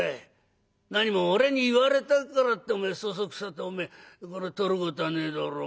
「なにも俺に言われたからってそそくさとおめえ取ることはねえだろ。